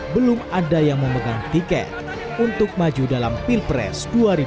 belum ada yang memegang tiket untuk maju dalam pilpres dua ribu dua puluh